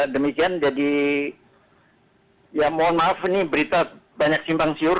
demikian jadi ya mohon maaf ini berita banyak simpang siur